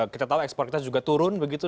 kita tahu ekspor kita juga turun begitu